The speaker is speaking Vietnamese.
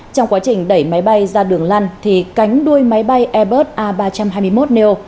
trong quá trình đẩy máy bay ra đường lăn thì cánh đuôi máy bay airbus a ba trăm hai mươi một neo